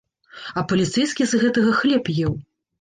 А паліцэйскі з гэтага хлеб еў.